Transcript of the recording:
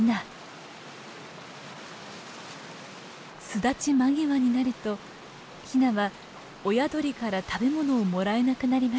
巣立ち間際になるとヒナは親鳥から食べ物をもらえなくなります。